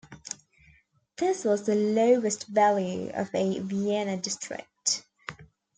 This was the lowest value of a Vienna district.